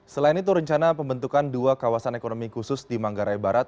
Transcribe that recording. selain itu rencana pembentukan dua kawasan ekonomi khusus di manggarai barat